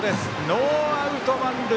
ノーアウト満塁。